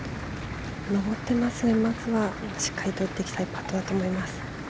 上ってますのでまずは打っていきたいパットだと思います。